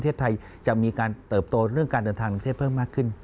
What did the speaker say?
ประเทศไทยจะมีการเติบโตเรื่องการเดินทางกรุงเทพเพิ่มมากขึ้น